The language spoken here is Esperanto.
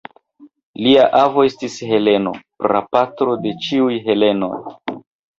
Lia avo estis Heleno, prapatro de ĉiuj helenoj.